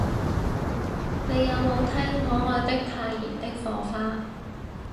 你有無聽可愛的太妍的火花